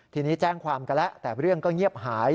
ทีนี้แจ้งความกันแล้วแต่เรื่องก็เงียบหาย